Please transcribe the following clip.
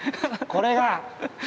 これが。